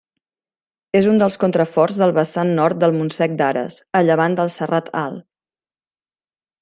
És un dels contraforts del vessant nord del Montsec d'Ares, a llevant del Serrat Alt.